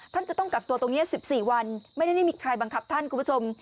ท่านจะต้องกักตัวตรงนี้๑๔วันไม่ได้มีใครบังคับท่านคุณผู้ชม